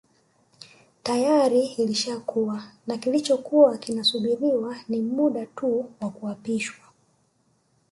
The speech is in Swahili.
Tayari ilishakuwa na kilichokuwa kinasubiriwa ni muda tu wa kuapishwa